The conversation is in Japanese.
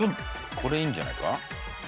これいいんじゃないか？